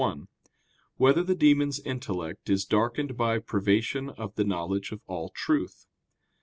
1] Whether the Demons' Intellect Is Darkened by Privation of the Knowledge of All Truth?